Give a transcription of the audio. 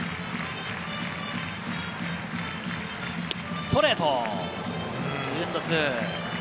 ストレート、２−２。